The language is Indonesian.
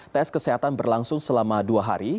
tes kesehatan berlangsung selama dua hari